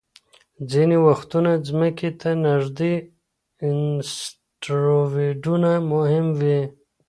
ځینې وختونه ځمکې ته نږدې اسټروېډونه مهم وي.